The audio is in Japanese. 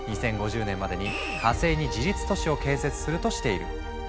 ２０５０年までに火星に自立都市を建設するとしている。